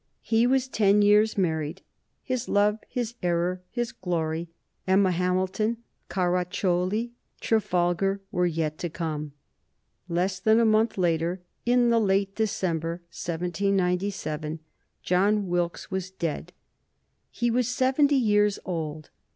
He was ten years married. His love, his error, his glory, Emma Hamilton, Carracioli, Trafalgar, were yet to come. Less than a month later, in the late December, 1797, John Wilkes was dead. He was seventy years old.